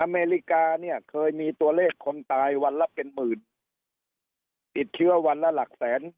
อเมริกาเนี่ยเคยมีตัวเลขคนตายวันละเป็นหมื่นติดเชื้อวันละหลักแสน